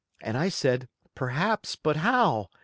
and I said, 'Perhaps, but how?